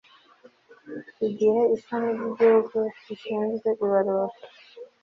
Igihe Ishami ry Igihugu rishinzwe Ibarura